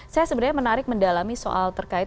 saya sebenarnya menarik mendalami soal terkait